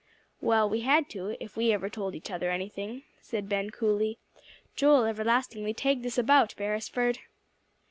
"Well, we had to, if we ever told each other anything," said Ben coolly. "Joel everlastingly tagged us about, Beresford."